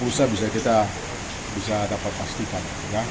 usaha bisa kita dapat pastikan